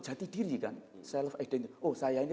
jati diri kan self identit oh saya ini